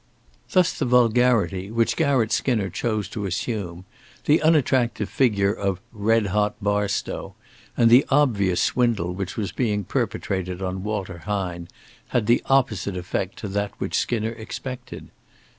Thus the vulgarity which Garratt Skinner chose to assume, the unattractive figure of "red hot" Barstow, and the obvious swindle which was being perpetrated on Walter Hine, had the opposite effect to that which Skinner expected.